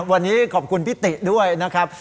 วันนี้ขอบคุณพี่ติด้วยนะครับ